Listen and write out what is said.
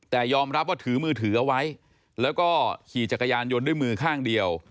แต่ยอมรับว่าถือมือถือเอาไว้แล้วก็ขี่จักรยานยนต์ด้วยมือข้างเดียว